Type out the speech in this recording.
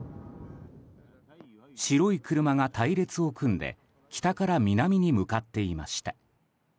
白い車が隊列を組んで北から南に向かっていました。